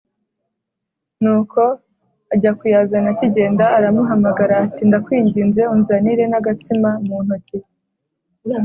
Nuko ajya kuyazana Akigenda aramuhamagara ati “Ndakwinginze unzanire n’agatsima mu ntoki”